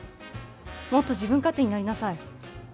もっと自分勝手になりなさい。